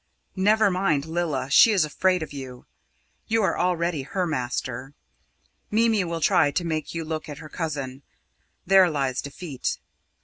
Never mind Lilla she is afraid of you. You are already her master. Mimi will try to make you look at her cousin. There lies defeat.